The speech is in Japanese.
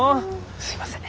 すいません。